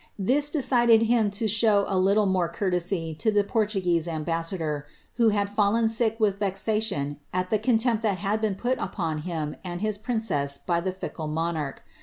This decided him to show a little more courtesy to the Portuguese ambassa dor, who had fallen sick with vexation at the contempt that had been put upon him and his princess by the fickle monarch.